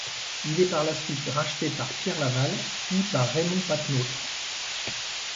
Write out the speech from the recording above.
Il est par la suite racheté par Pierre Laval, puis par Raymond Patenôtre.